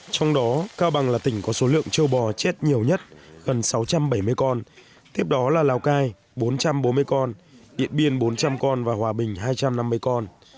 trong đó cao bằng là tỉnh có số lượng châu bò chết nhiều nhất gần sáu trăm bảy mươi con tiếp đó là lào cai bốn trăm bốn mươi con điện biên bốn trăm linh con và hòa bình hai trăm năm mươi con